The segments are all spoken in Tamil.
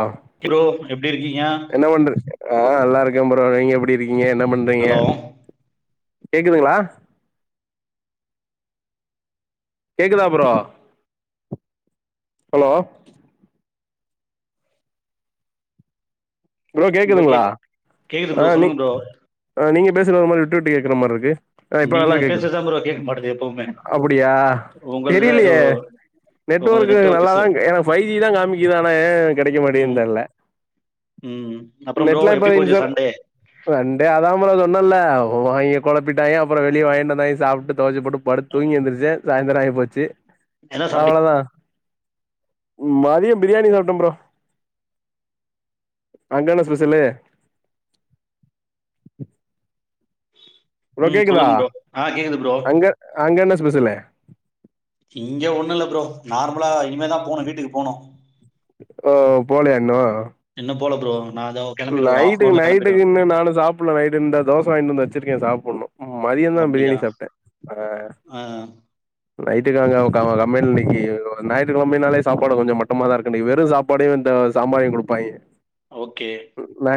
ஆ ப்ரோ எப்டி இருக்கீங்க? என்ன பண்றது ஆ நல்லாருக் இருக்க ப்ரோ நீங்க எப்டி இருக் நீங்க என்ன பண்றீங்க ஹலோ கேக்குதுங்களா கேக்குதா ப்ரோ ஹலோ ப்ரோ கேக்குதுங்களா கேக்குது ஆ ப்ரோ நீ சொல்லுங்க ப்ரோ. ஆ நீங்க பேசறது ஒரு மாரி விட்டுவிட்டு கேக்கற மார்ருக்கு ஆ இப்ப நீங்க நல்லா கேக்குது பேசுறதுதா ப்ரோ கேட்க மாட்டேது எப்பவுமே. அப்டியா உங்கள்துதா ஏதோ தெரிலயே உங்கள்து நெட்வொர்க்கு நெட்வொர்க் நல்லாதா இஷ்யூ. க் எனக் ஃபை ஜி தா காமிக்குது ஆன ஏ கெடைக்க மாட்டிங்து ம் தெர்ல ம் அப்புறம் ப்ரோ நெட்ல இப்ப எப்டி நீ சொ போச்சு சண்டே? ரெண்டே அதா ப்ரோ சொன்னல கொழப்பிட்டாய்ங்க அப்பரோ வெளிய வாங்கிட்டு வந்தாங்கே சாப்ட்டு துவச்சுப்புட்டு படுத்து தூங்கி ஏந்துருச்சே சாய்ந்தர ஆகி வச்சி என்ன சாப்ட்டீங்க? அவ்ளதா மதிய பிரியாணி சாப்ட்டம் ப்ரோ அங்கென்ன ஸ்பெஷலு ஹலோ ம் கேக்குதா சொல்லுங்க ப்ரோ. ஆ கேக்குது ப்ரோ. அங்க அங்க என்ன [unintelligible] இங்க ஒண்ணு இல்ல ப்ரோ நார்மலா இனிமேதா போனு வீட்டுக்கு போனு ஓ போலயா இன்னு இன்னு போல ப்ரோ நா இதோ கெளம்பிடுவே ஒரு நைட்டுக்கு ஹாஃப்னவர்ல கெளம்பிடுவே. நைட்டுக்கு இன்னு நானு சாப்புல்ல நைட்டு இந்தா தோச வாங்கிட் வந்து வச்சிருக்கே சாப் ண்ணொ மதியந்தா அப்டியா பிரியாணி சாப்ட்ட அ ஆ நைட்டுக்கங்க க கம்பெனில இன்னைக்கு ஞாயித்து கெழமைனாலே சாப்பாடு கொஞ்ச மட்டமாதா இருக்கு இன்னைக்கு வெறு சாப்பாடையு இந்த சாம்பாரையு குடுப்பாய்ங்க ஓகே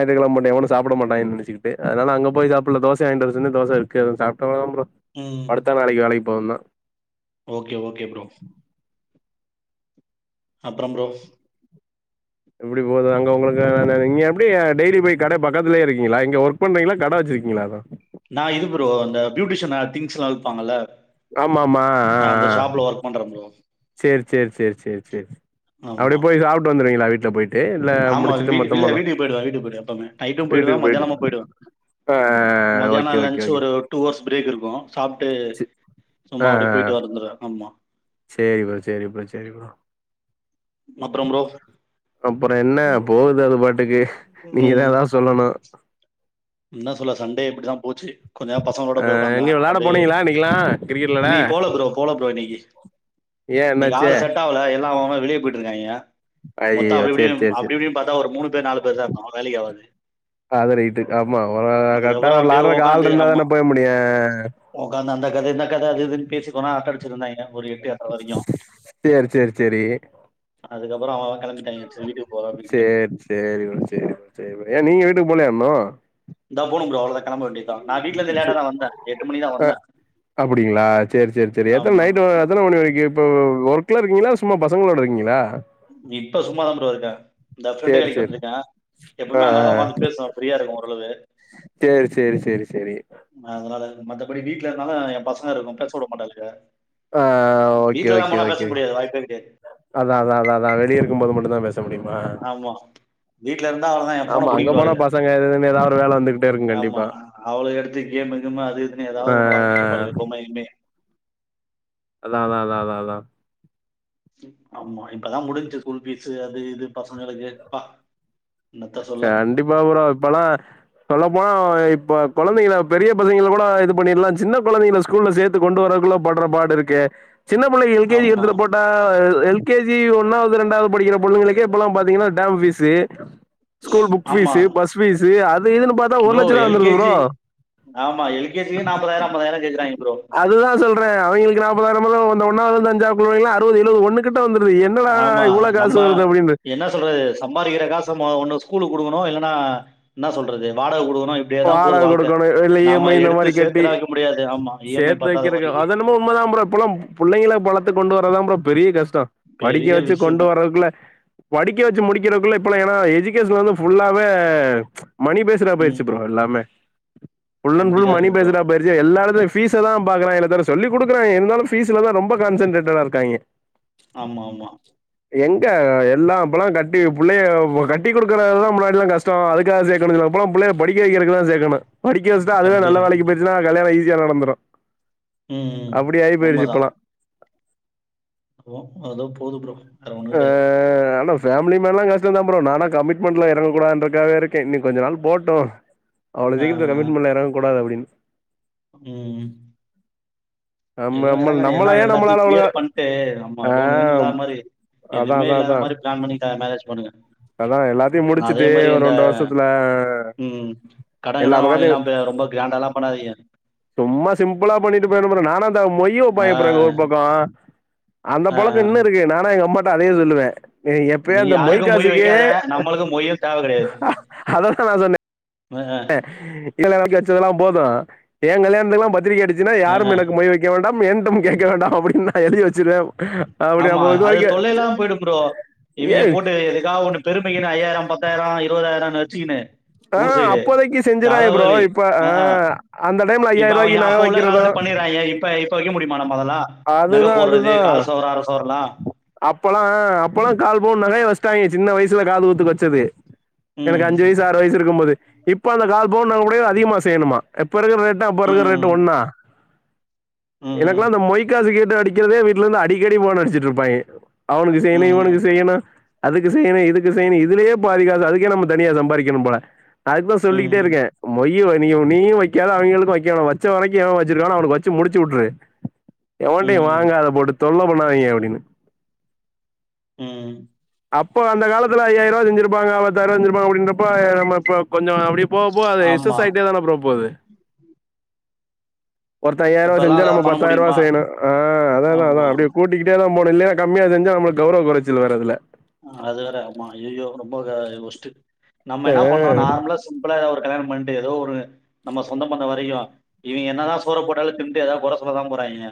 [unintelligible] எவுனு சாப்பட மாட்டாங்கன் நெனச்சிகிட்டு அதனால அங்க போய் சாப்புடுல தோசைய வாங்கிட்டு வர சொல்லி தோசை இருக்கு சாப்படனு ப்ரோ ம் படுத்தா நாளைக்கு வேலைக் போனா ஓகே ஓகே ப்ரோ அப்றம் ப்ரோ எப்டி போது அங்க உங்களுக்கு ந நீங்க எப்டி டெய்லி போய் கட பக்கத்துலயே இருக்கிங்ளா இங்க ஒர்க் பண்றிங்ளா கட வச்சிருக்கிங்ளா எது நா இது ப்ரோ அந்த பியூட்டிஷியனு திங்ஸ் எல்லா விப்பாங்கல்ல ஆமாமா ஆ அந்த ஆஹ் ஷாப்ல ஒர்க் பண்றேன் ப்ரோ. ஆஹ் சேரி சேரி சேரி சேரி சேரி ஆமா. அப்டியே போய் சாப்டு வந்துருவீங்ளா விட்ல வீட்ல போய் ஆமா வீட் இல்ல வீட்டுக்கு போய்டுவ போய்டுவ வீட்டுக்கு போய்டுவ எப்பவுமே நைட்டு போய்டுவ வீட்டுக்கு போயிட்டு மத்தியானமு போய்டுவ ஆ மதியானோ ஓகே ஓகே லஞ்ச் ஓகே ஒரு டூ ஹவர்ஸ் பிரேக் இருக்கு சாப்ட்டு சி சும்மா அப்டியே போய்ட்டு வந்துருவே ஆமா சேரிப்பா சேரிப்பா சேரிப்பா அப்புறம் ப்ரோ அப்றோ என்ன போது அது பாட்டுக்கு நீங்கதா ம். எதாவது சொல்லணு என்ன சொல்ல சண்டே இப்டிதா போச்சு கொஞ்ச நேரோ பசங்ளோட போய் உக்காந்த எங்க வெளாட அப்டியே போனீங்களா இன்னைக்கெல்லா கிரிக்கெட் வெளாட இன்னைக்கு போல ப்ரோ போல ப்ரோ இன்னைக்கு ஏ இன்னைக்கு என்னாச்சு ஆள் செட் ஆவுல எல்லா அவ அவ வெளிய போய்ட்டுருக்காயா மொத்தோ ஐய்யய்யோ அப்டி சேரி இப்படின்னு சேரி அப்டி சேரி இப்டின்னு பாத்தா ஒரு மூணு பேர் நாலு பேர்தா இருந்தோ வேலைக்கு ஆவது அது ரைட்டு ஆமா ஒரு கரெக்டா ஒரு வெளாடறதுக்கு ஆள் இருந்ததானே போ முடியு அந்த அந்த கதைதா கத அது இதுனு பேசி கொஞ்சோ நேரொ அரட்ட அடி ச்சிருந்தாங்க சேரி சேரி சேரி அதுக்கப்புறம் அவன் அவன் கிளம்பிட்டாங்க சரி வீட்டுக்கு போறோம் அப்படின்ட்டு சேரி சேரிமா சேரிமா சேரிமா ஏ நீங்க வீட்டுக்கு போலயா இன்னு இந்தா போனு ப்ரோ அவ்ளோத கெளம்ப வேண்டியதா நா வீட்ல இருந்து சே லேட்டாதா வந்த எட்டு மணிக்தா ஆ வந்த அப்டிங்களா? ஆமா ம் ஒர்க்ல இருக்கீங்ளா சும்மா பசங்களோட இருக்கீங்களா இப்ப இந்த ஃப்ரெண்டு சரி, கடைக்கு சரி. வந்ருக்கே ஆ, எப்பவுமே ஆ, அங்கதா ஆ. உட்காந்து பேசுவ ஃப்ரீயா இருக்கு ஓரளவு சரி, சரி, சரி, சரி. அதனால சும்ம அப்டி வீட்ல ஆஹா என் பசங்க இருக்கு பேச விட மாட்டாங்க அ ஆஹ ஓகே ஓகே ஓகே முடியாது வாய்ப்பே கிடையாது அதா அதா நா வெளிய இருக்க [unintelligible] ஆமா வீட்ல இருந்தா அவ்ளோதா எ ஃபோன்ன ஆமா, அங்க போனா புடிங்கிடுவாளுங்க பசங்க இது இதுன்னு ஏதாவது ஒரு வேல வந்துகிட்டே இருக்கும் ஆமா கண்டிப்பா. அவுள்க எடுத்து கேமு கிமு அது இதுன்னு ஆ ஏதாவது ஒண்ணு வரஞ்சிட்டு இருபாளுக பொம்மைய கிம்மைய அதா அதா அதா அதா அதா ஆமா இப்பதா முடிஞ்ச்சு ஸ்கூல் பீஸ் அது இது பசங்களுக்கு ப்பா கண்டிப்பா ப்ரோ இப்பல்லா சொல்லப்போனா இப்ப கொழந்தைங்ள பெரிய பிள்ளைகள கூட இது பண்ணிடலா சின்ன கொழந்தைங்ள ஸ்கூல்ல சேத்து கொண்டு வரதுக்குள்ள படுற பாடு இருக்கே சின்ன புள்ளகி எல்கேஜி ஆமா எடுத்துடு போட்டா எல் கேஜி ஒன்னாவ்து ரெண்டாவ்து படிக்கிற பொன்னுங்ளுக்கே இபெல்லாம் பாத்தீங்கன்னா டேம் பீஸ்ஸு ஸ்கூல் புக் ஆமா ஃபீஸ்ஸு பஸ் ஃபீஸ்ஸு அத் ப்ரோ எல் கே ஜி ஆமா எல் கே ஜியே நாப்பதாயிரம் ஐம்பதாயிரம் கேக்கிறாய்ங்க அதுதான் சொல்றேன் அவிங்ளுக் நாப்பதாயிரம் வ்ளோ வந்த ஒன்னாவ்து அஞ்சாப் பிள்ளைங்க அறுவ்து எழுவ்து ஒன்ன கிட் ஆமா நம்ம அப்டின்னு என்ன சொல்றது சம்பாதிக்கிற காஸ் ச ஒன்ன ஸ்கூலுக் குடுகணும் இல்லனா என்ன சொல்றது வாடக கொடுக் வாடக கொடுக்கணு வெள்ளி ஈஎம்மை இந்த எடுத்து மாரி கட்டி சேர்த்துலாம் வைக்க முடியாது ஆமா இஎம்ஐ சேர்த் பத்தாத வைக்றக்கு வரைக்கும் அத்என்னமே உண்மதான் ப்ரோ இப்லாம் புள்ளைங்கள பழத்த கொண்டு வரதான் ப்ரோ பெரிய கஷ் டம் படிக்க பெரிய வச்சு கொண்டு விஷயமே வரதுகுள்ள படிக்க வச்சு முடிக்கிறகுள்ள இப்பல ஏன்னா எஜுகேஷன்ல வந்து ஃபுல்லாவே மணி பேஸ்ட பேய்ர்ச் ம் த்து ப்ரோ ம். எல்லாமே ஃபுல் ன் ஃபுல் அப்படிதான் மணி இருக்கு ப்ரோ பேஸ்ட்டா பேயிற்ச்சு எல்லஎடத்த ஃபீஸ தான் பாக்றய்ங்லெ தர சொல்லி குடுக்றாய்ங் இருந்தாலும் பீஸ்லதான் ரொம்ப கான்சன்ட்ரேட்டடா இருக்காய்ங்க ஆமா ஆமா எங்க எல்லா இப்பலா கட்டி புள்ளைய கட்டிகொடுக்றதுதா முன்னாடிலா கஷ்டேம் அதுக்கா காசு சேக்கணு சொ ப்பலாம் பிள்ள படிக்க வைக்றக்குதா சேக்கணு படிக்க வச்டா அதுவே அப்படி நல்ல இருக்கு வேலைக்கு போயிற்சுன கல்யாண ஈசி [unintelligible] நடந்ரு ம் ம். அப்டி ஆயி போயிருச்சு உண்மைதான் இப்பலா ஓ அதோ போது ப்ரோ அதுஒன்னு கடையாது ஃபேம்லி மேன்லா கஷ்ட தா ப்ரோ நானா கமிட்மெண்ட்ல இறங்க கூடாதுன்ருக்காக இருக்கே இனி கொஞ்ச நாள் போட்டு அவுள சீக்ரத்துல கமிட்மென்ல இறங் கூடாது அப்டின் உம் நம்ம எதோ நம்ம இறங்கற எல்லா நம்மள ஏன் எல்லாத்தியு நம்மளால அவ்ளோதா க்ளியர் பண்ட்டு நம்மா ஆ லோனுகீனு இல்லாத மாரி அதா எதுமே அதா இல்லாத அதா மாரி பிளான் பண்ணி க மேரேஜ் பண் அதா எல்லாத்தையு ம் அதே முடிச்சுட்டு மாரி ஒரு இந்த ரெண்டு வருஷத்துல உம் கட கிட எல்லா வாங்கிலா பக்கத்தையு பெ ரொம்ப கிராண்டால்லா பண்ணா தீங்க சும்மா சிம்புளா பண்ணிட்டு போய்ற்ணு ப்ரோ நா இந்த மொய் ஆ வெப்பாய்ங் ப்ரோ எங்க ஊரு பக்கோ அந்த ஆ பழக்க இன்னு இருக்கு நானா எங்க அம்மா ட்ட அதையே சொல்லுவே எ எப்பயு நீ அந்த யாருக்கு மொய் மொய்க்காசுக்கு வைக்காத நம்மளுக்கு மொய்யு தேவ கெடையாது அத தா நா சொன்னே அ ஆஹ் [inaudible] வச்சதல்லா போது எ கல்யாணத்துக்குலா பத்திரிக அடி ச்சினா அ அ யாரும் எனக்கு மொய் வைக்க வேண் டாம் ஏன்டும் கேட்க வேண்டாம் அப்டின்னு நா எழுதி வச்சிருவே அப்டி ஆமா அப்ப இது அது வரைக்கு தொல்லை இல்லாம போயிடு ப்ரோ ஏ இவிங்க போட்டு எதுக்காக ஒண்ணு பெருமைக்குன்னு ஐயாயிரோ பத்தாயிரோ இருவதாயிரன்னு வச்சுகின்னு ஆஹ் அப்போதைக்கு செஞ்சறாய்ங்க ப்ரோ இப்ப அ ஆ ஆ அந்த டைம்ல இப்ப ஐயாயிர அவ ரூபாய்க்கு நக அப்ப உள்ள வைக்கிறது காலத்து பண்ணிறாயிக இப்ப இப்ப முடியுமா நம்ம அதல்லா நக அதுதா போடுறது அதுதா கால் சவர அர சவரலா அப்பல்லா அப்பல்லா கால் பவன் நகை வச்டாய்க சின்ன வயசுல காது குத்துக்கு வச்சது எனக்கு ம் அஞ்சு வயசு ஆறு வயசு இருக்கு போது இப்ப அந்த கால் பவுன் நக கூட அதிகமா செய்யணுமா எப் இப்ப இருக்கிற ரேட்டு அப்ப இருக்குற ம் ரேட்டு ஒன்னா ம் எனக்கெல்லா இந்த மொய்காசுக ண்டு அடிக்கிறதுே வீட்டுல இருந்து அடிக்கடி போனடிச்சு ரூபாய் ஆனங்கு ம் சைனும் ம் இவனுக்கு செய்யனு அதுக்கு செய்யணு இதுக்கு செய்யணு இதுலயே பாதுக்காசு அதுக்கே நம்ம தனியா சம்பாதிக்கணும் போல அதுக்குதான் சொல்லிக்கிட்டே ம் இருக்கேன் மொய் நீ நீ நியூம் வைக்காத அவங்களுக்கும் வைக்கும் வச்ச வரைக்கும் எவன் வச்சிருக்கானா அவனுக்கு வச்சு முடிச்சு விட்டுரு ம் எவடையும் ம் வாங்காத பொடுத்து தொல்ல பண்ணாதீங்க அப்படின்னு உம் அப்போ அந்த காலத்து ஐயாயம் ரூா செஞ்சப்பாங்க அஐத்தாயிர ரூா செஞ்சப்பா அப்படின்றப்ப நம்மப்ப கொஞ்சோ அ அப்படி போக போக எஸ் எஸ் ஆமா ஆயிட்டே தான ப்ரோ போகுது ஒருத்த ஐயாயம் ரூபா இப்பல்லாம் செஞ்சா நம்ம அதான் பண்ண பத்தாயம் ரூபா முடியுமா? செய்யணும் ஆஹ் அதான் ஆமா. அதான் அப்படி கூட்டிட்டேதான் போன இல்லைய கம்மியா செஞ்சா நம்மக்கு கௌருவ குறைச்சல் வேற இதுல ஆஹ் அது வேற ஆமா ஐயையோ ரொம்ப ஒஸ்ட்டு நம்ம ஆ, என்ன பண்ணோ நார்மலா சிம்பளா எதா ஒரு கல்யாணம் பண்ணிட்டு ஏதோ ஒரு நம்ம சொந்த பந்த வரைக்கு இவங்க என்னதா சோற போட்டாலு தின்ட்டு எதா கொற சொல்லதா போறாங்க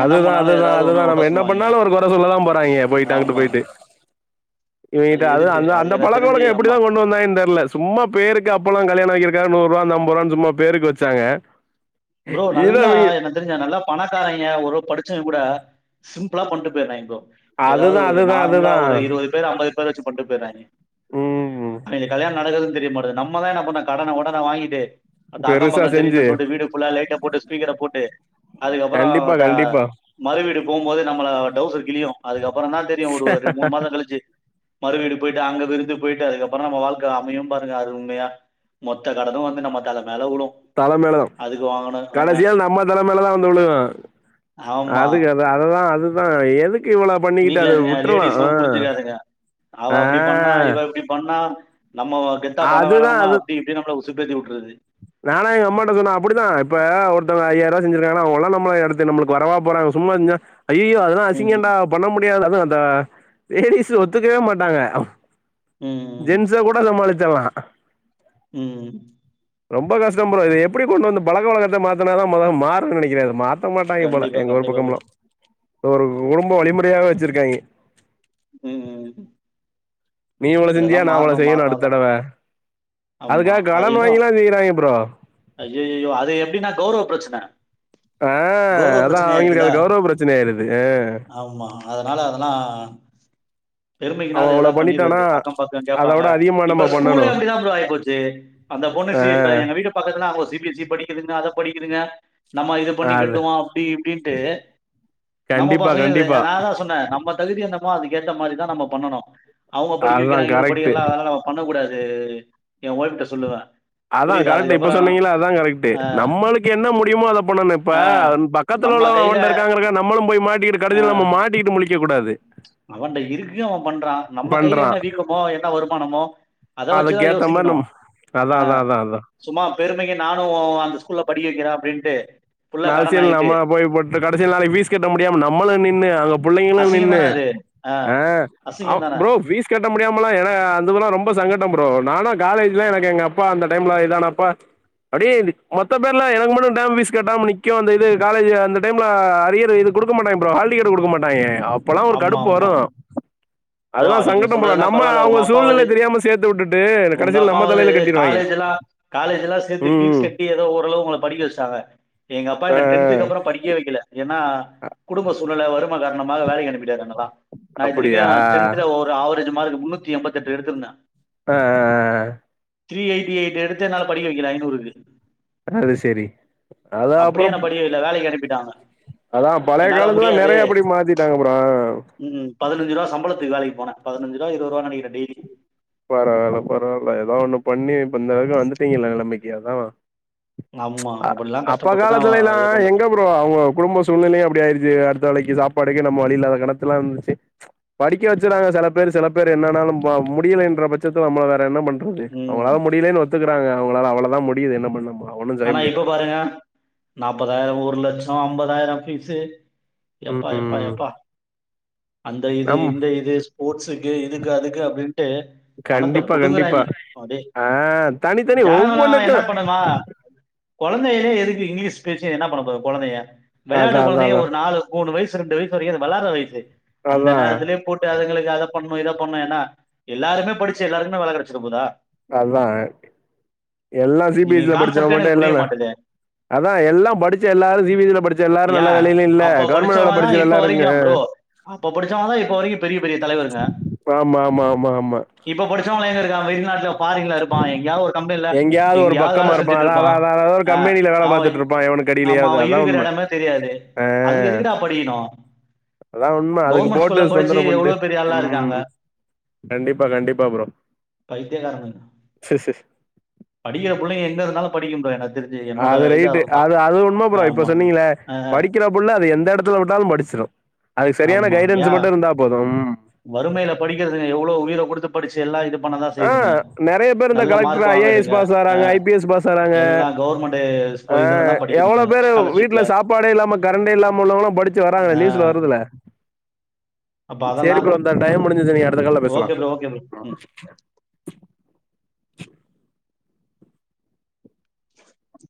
அதுதா அதுதா அதுதா நம்ம என்ன பண்ணாலு ஒரு கொற சொல்லதா போறாங்க போயிட்டு அங்கிட்டு ஆமா. போயிட்டு இவிட்ட அது எதுக்கு? அந்த எனக்கு தெரிஞ்சு பழக்கங்க எப்படிதா ஆமா. கொண்டு வந்தாயனு தெரியல சும்மா பேருக்கு அப்போல்லா கல்யாண ஆக்கிருக்காரு நூறு ரூபா ஐம்பது ரூவா சும்மா பேருக்கு வச்சாங்க ப்ரோ இதை நல்லா அவங்க என்ன தெரிஞ்ச நல்லா பணக்காரங்க ஒரளவு படிச் ச்சவங்க கூட சிம்புளா பண்ட்டு போய்றாங்க ப்ரோ எதாவது அதுதான் ஒரு அதுதான் நார்மலா அதுதான் ஒரு இருவது பேர் ஐம்பது பேர வச்சு பண்டு போய்டுறாங்க ம் ஆனா இந்த கல்யாண நடக்கது தெரியமாட்டாது நம்ம தா என்ன பண்ண கடன உடன வாங்கிட்டு அப்ப பெருசா அக்கம்பக்கோ செஞ்சு தெரியனு சொல்லிட்டு வீடு லைட்ட போட்டு ஸ்பீக்கர போட்டு அதுக்கப்பபறோ கண்டிப்பா ட்டா கண்டிப்பா மறுவீடு போபோது நம்ம டவுசர் கிழியு அதுக்க அப்புற தா தெரியு ஒரு ரெண்டு மூணு மாசம் கழிச்சு மறுவீடு போயிட்டு அங்க விருந்து போயிட்டு அதுக்கப்பறோ நம்ம வாழ்க்க அமையு பாருங்க அரும்மையா மொத்த கடனு வந்து நம்ம தல மேல விழு தலைமையில தான் கடைசியா நம்ம தல மேலதா வந்து விழுகு அதுக்கு அத அததா அது தா எது வீட்ல இருங்க லேடிஸு புரிஞ்சுக்காதுங்க அவ ஆ அப்பிடி பண்ணா இவ இப்படி பண்ணா நம்மொ கெத்தா பண்ணா அதுதான் வேணாம அது. அப்டி இப்டி நம்பள உ சுபேத்தி உட் நானா எங்க அம்மாட்ட சொன்ன அப்டிதா இப்ப ஒருத்தவங்க ஐயாயிருவா ஞ்சுருக்காங்கனா அவங்கள்ளா நம்மளய அடுத்து நம்முளுக்கு வரவா போறாங்க சும்மா [unintelligible] ஐயையோ அதெல்லா ம் அசிங்கண்டா பண்ண முடியாது து அந்த லேடிஸு ஒத்துக்கவே மாட்டாங்க ம் ஜென்ச கூட சமாளி ச்சர்ல்லா உம் ரொம்ப கஷ்டொம் ப்ரோ இத எப்பிடி கொண்டு வந்து பழக்க வழக்கத்த மாத்துனாத மொத மாறுன் நெனைக்கிறே இத மா த்த மாட்டாய்ங்க போல கண்டிப்பா எங்க ஊரு கண்டிப்பா பக்கம்லா ப்ரோ ப்ப ஒரு கு குடும்போ வழிமுறையாவே வெச்சிருக்காய்ங்க ம் ம் நீ இவ்ளு செஞ்சியா இதெல்லாம் நா அவ்ளோ மாறணும் செய்யணு மாறினாதான் அடுத்தடவ அதுக்காக கடன் வாங்கியெல்லா செய்யறாய்ங்க ப்ரோ அய்யய்யோ அது எப்படின்னா கௌரவ பிரச்சனை ஆ கௌரவ அதான் அவிங்களுக்கு பிரச்சனையாயிருதுல. அது கௌரவ பிரச்சனையாயிருக்கு அ ஆமா. பெருமைக்குனா அவன் அது அவ்ளோ எதாவது பண்ணிட்டானா பண்ணிடுறது அக்கம் பக்கம் அத கேட்பாங்க விட அதிகமா இப்ப நம்ம பண்ணணு ஸ்கூலே அப்படிதான் புரோ ஆகி போச்சு அந்த பொண்ணு ஆ இப்ப எங்க வீட்டு ப அவங்க சி பி எஸ் சி படிக்கதுங்க அதை படிக்கதுங்க நம்ம இது பண்ணி அது கட்டுவோ அப்டி இப்டின்ட்டு நம்ம கண்டிப்பா பசங்களது கண்டிப்பா நா அதா சொன்னே நம்ம தகுதி என்ன [unintelligible] கேத்த மாரிதா நம்ம பண்ணணு அவுங்க படிக் அதா வெக்றாங்க இவங் படி கரெக்ட்டு எல்லா அதெல்லா நம்ம பண்ணக்கூடாது து எ ஒய்ஃப்ட்ட சொல்லுவே அதா கரெக்ட்டு இ இப்ப சொன்னீங்கள்ல அதாங் கரெக்ட்டு அ நம்மளுக்கு என்ன முடியுமோ அத பண்ணணு இப்ப ஆ பக்கத்தில நம்ம உள்ளவ கையில அவன்ட்ட இருக்காங்கறக்காக நம்மளும் போய் மா கடைசில நம்ம மாட்டிகிட்டு முழி அவன்ட்ட இருக்கு அவ பண்றா நம்ம கையில பண்றா என்ன வீக்கமோ என்ன வருமானமோ அதை வச்சுதான் அதுகேத்த மார் யோசிக்கணும் நம் அதா அதா ஆஹ் அதா அதா சும்மா பெருமைக்கு நானு அந்த ஸ்கூல்ல படிக்க வெக்கிறே அப்டின்ட்டு ந சியல் நம்ம போய் பட்டு கடைசில நாளை வீஸ் கட்ட முடியாம நம்மளு நின்னு அங்க புள்ளைங்களு அசிங்கம் நின்னு தானே அது ஆஹ் ஆ அவ் அசிங்கம் தானே ப்ரோ வீஸ் கட்ட முடியாமலா எனா அதுவெல்லா ரொம்ப சங்கட்டம் ப்ரோ நான காலேஜ்லா எனக்கு எங்க அப்பா அந்த டைம்ல இது ஆனப்பா அப்டியே ந்தி மொத்த பேர்ல எனக்கு மட்டு டேம் ஃபீஸ் கட்டமா நிக்கு அந்த இது காலேஜ் அந்த டைம்ல அரியர் இது குடுக்க மாட்டாங்க ப்ரோ ஹால்டிக்கெட்டு குடுக்க மாட்டாய்ங்க அப்பல்லா ஒரு ஆமா கடுப்பு வரு ஆமா ப்ரோ நீங்க சொல்றது எல்லாம் பரவால உங்க அப்பாவது சூழ்நிலை தெரியாம சேத்து விட்டுட்டு உங்க கடைசில நம்ம அப்பாவது தலையில கட்டிருவாய்ங்க காலேஜ் எல்லாம் காலேஜ் எல்லாம் சேர்த்து ஃபீஸ் ம் கட்டி ஏதோ ஓரளவு உங்க படிக்க வெச்சுடாக எங்கப்பா ஆ என் ஆ டென்த்துக்கு அப்புறம் படிக்கவெ வெக்கல ஏன்னா குடும்ப சூழ்நிலை வரும் காரணமா வேலைக்கு அனுப்பிட்டாரு என்னலா நான் அப்படியா இதுவரைக்கும் டென்ந்துல ஒரு ஆவரேஜ் மார்க் முன்நூத் எம்பத்து எட்டு எடுத்து இருந்தேன் ஆ ஆ ஆ த்ரீ ஏய்ட்டி ஏய்டு எடுத்து என்னால படிக்க வெக்கல ஐநூறுக்கு அது செரி அது அப்படியே அப்புறம் நான் படிக்க வைக்கல வேலைக்கு அனுப்பிட்டாங்க அதான் பழைய என்னால காலத்துலலாம் முடியாது நெறைய அப்படி மாத்திட்டாங்க ப்ரோ ம் பதினஞ்சு ரூபா சம்பளத்துக்கு வேலைக்கு போனா பதினஞ்சு ரூபா இருபது ரூபா நெனைக்கிறேன் டெய்லி பரவால பரவால்ல ஏதாவது ஒண்ணு பண்ணி இப்ப இந்தளவுக்கு வந்துட்டீங்கல்ல நல்ல நிலமைக்கு அதான் ஆமா அப்படிலாம் அப்பா கஷ்டப்பட்டு தான் காலத்துல எல்லாம் இது பண்ணது எங்க ப்ரோ அவங்க குடும்ப சூழ்நிலையும் அப்படி ஆயிடுச்சு அடுத்து வேலைக்கு சாப்பாடுக்கு நம்ம வழியில்லாத கணத்ததுல இருந்துச்சு படிக்க வெச்சுடாங்க சில பேர் சல பேர் என்ன ஆனாலும் முடிய ங்கிற பட்சத்தில நம்மள வேற என்ன பண்றது ம் அவங்களால முடியலைன்னு ஒத்துக்குறாங்க அவங்களால அவள தான் முடி டிது என்ன பண்ணலாம் ஆனா இப்ப பாருங்க நாப்பதாயிரம் ஒரு லட்சம் ஐம்பதாயிரம் ஃபீஸு எப்பா எப்பா ம் எப்பா அந்த இது நம் இந்த இது ஸ்போர்ட்ஸுக்கு இதுக் அதுக்கு அப்பிடி கண்டிப்பா கண்டிப்பா அப்படியே ஆஹ் தனி தனி ஒவ்வொண்ணுக்கும் கொழந்தையிலே எதுக்கு இங்கிலீஷ் ஸ்பீச்சு என்ன பண்ண போதுங்க கொழந்தைங்க விளையாட்டு அதா அதா கொழந்தைங்க அதா ஒரு நாலு மூணு வயசு ரெண்டு வயசு வரைக்கும் அது வெளயாடுற வயசு அந்த அதா நேரத்திலயே போட்டு அதுங்கள அத பண்ணும் இத பண்ணும் என்னா எல்லாருமே படிச்சு எல்லாருக்குமே வேல கெடைச்சிற போதா அதான் எல்லாம் சி பி நீங்க எஸ் இ ல படிச்சு கான்செப்டே எனக்கு புரிய மாட்டேது அதான் எல்லாம் படிச்ச எல்லாரும் சி பி எஸ் இ படிச்ச எல்லாரும் நல்ல ஏன் வேலையிலும் இல்ல அப்ப கவர்மெண்ட்ல படிச்சவங்க தான் படிச்சு இப்ப நல்லாருங்க வரைக்கும் ப்ரோ அப்ப படிச்சவங்க தான் இப்ப வரைக்கும் பெரிய பெரிய தலைவருங்க ஆமா ஆமா ஆமா ஆமா [unintelligible] வெளிநாட்டும் ஃபாரீன்ல இருப்பான் எங்கயாவது ஒரு கம்பெனில எங்கேயாவது ஒரு எங்கயாவது பக்கமா வேல செஞ்சுட்டு அதான் அதான் இருப்பான் அதான் அதான் ஒரு பான் அஹ் கம்பெனில வேலை அவன் பார்த்துட்டு இருப்பான் எவனுக்கு ஆமா அடியிலயாவது அவன் அதான் இருக்கிற உண்மை இடமே தெரியாது ஆ, அதுக்கு எதுக்குடா படிக்கனும் அதான் உண்ம அதுக்கு போட்டு தொந்தரவு பண்ட்டு எவ்வளவு பெரிய ஆளா இருக்காங்க உம் கண்டிப்பா கண்டிப்பா ப்ரோ பைத்தியக்காரனுங்க உள்ளயே இருந்ததுனால் படிக்கும்பேனக் அது ரைட்டு அது அது உண்ம ப்ரோ இப்ப ஆமா சொன்னிங்கள அஹ் படிக்கிற புள்ள அது எந்த எடத்துல உட்டாலு படிச்சிடு அதுக் சரியான ஆமா கைடனஸ் ஏன் மட்டும் இருந்தா போது வறுமையில படிக்கிறதுங்க எவ்ளோ உயர் ளோ குடுத்து படிச்சி எல்லா இது பண்ணதான் செய்யுதுங்க ஆஹ் நெறைய பேரு இந்த நல்ல collector mark I A S வாங்குதுங்க பாஸ் ஆறாங்க ஐ பி எஸ் பாஸ் ஆறாங்க எல்லாம் கவர்மெண்ட் இதுல ஆஹ் தான் படிக்குதுங்க எவ்ளோ பேரு வீட்ல ஸ்காலர்ஷிப்ல சாப்பாடே இல்லாம கரண்டே இல்லாம உள்ளவங்களா படிச்சி வராங்க நியூஸ்ல வருதுல அப்ப சேரி அதெல்லாம் ப்ரோ இந்த டைம் முடிஞ்சது இனி அடுத்த கால்ல பேசலா ஓகே ப்ரோ ஓகே ப்ரோ [inaudible]